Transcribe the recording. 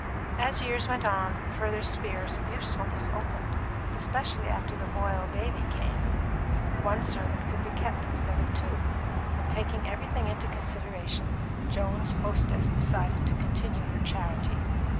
As years went on, further spheres of usefulness opened, especially after the Boyle baby came; one servant could be kept instead of two; and taking everything into consideration, Joan's hostess decided to continue her charity.